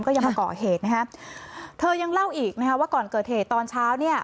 ยังมาก่อเหตุนะฮะเธอยังเล่าอีกนะคะว่าก่อนเกิดเหตุตอนเช้าเนี่ย